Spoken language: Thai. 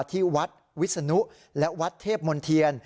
ที่วัดวิศนุและวัดเทพมนเทียน